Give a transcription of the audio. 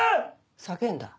叫んだ？